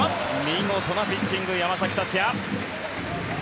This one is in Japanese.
見事なピッチング、山崎福也。